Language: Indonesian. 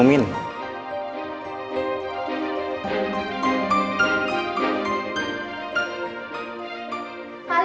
kamu lagi allahuakbar